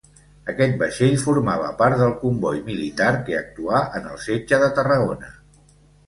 Aquest vaixell formava part del comboi militar que actuà en el setge de Tarragona.